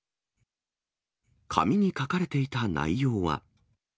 紙に書かれていた内容は。